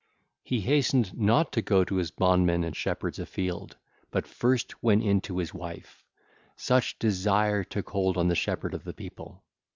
He hastened not to go to his bondmen and shepherds afield, but first went in unto his wife: such desire took hold on the shepherd of the people.